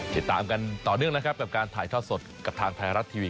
ติดตามกันต่อเนื่องนะครับกับการถ่ายทอดสดกับทางไทยรัฐทีวี